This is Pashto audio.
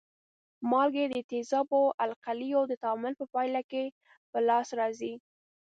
مالګې د تیزابو او القلیو د تعامل په پایله کې په لاس راځي.